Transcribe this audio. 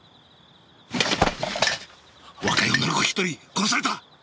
若い女の子が１人殺された！